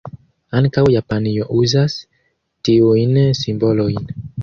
Ankaŭ Japanio uzas tiujn simbolojn.